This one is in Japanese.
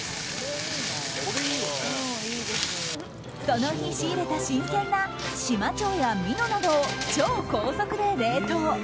その日仕入れた新鮮なシマチョウやミノなどを超高速で冷凍。